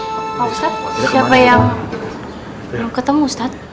pak ustadz siapa yang belum ketemu ustadz